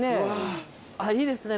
いいですね